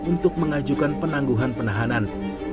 untuk mengajukan penangguhan penahanan